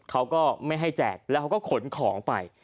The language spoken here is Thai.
เขาก็ไม่ให้แจกแล้วเขาก็ขนของไป